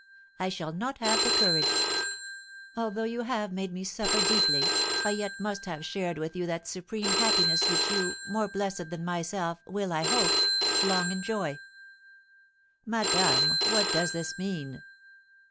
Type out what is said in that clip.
I shall not have the courage. Although you have made me suffer deeply, I yet must have shared with you that supreme happiness which you, more blessed than myself, will, I hope, long enjoy!" "Madame, what does this mean?"